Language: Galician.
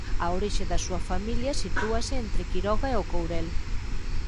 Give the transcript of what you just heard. A orixe da súa familia sitúase entre Quiroga e O Courel.